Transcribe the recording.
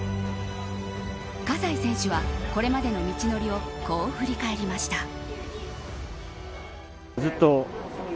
葛西選手は、これまでの道のりをこう振り返りました。